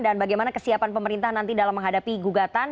dan bagaimana kesiapan pemerintah nanti dalam menghadapi gugatan